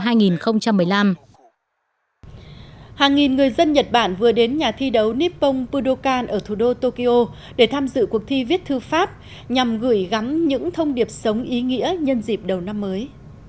hàng nghìn người dân nhật bản vừa đến nhà thi đấu nippon puducan ở thủ đô tokyo để tham dự cuộc thi viết thư pháp nhằm gửi gắm những thông điệp sống ý nghĩa nhân dịp đầu năm mới